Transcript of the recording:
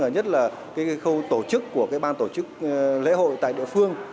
nhất là cái khâu tổ chức của cái ban tổ chức lễ hội tại địa phương